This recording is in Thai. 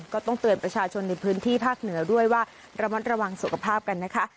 ก็ต้องเตือนประชาชนในพื้นที่ภาคเหนือด้วยว่าระมัดระวังสุขภาพกันนะคะ